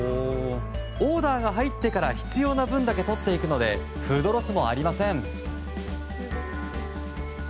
オーダーが入ってから必要な分だけとっていくのでフードロスもありません。